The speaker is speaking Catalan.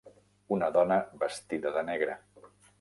Una dona vestida de negre.